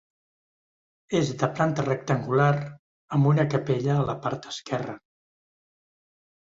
És de planta rectangular amb una capella a la part esquerra.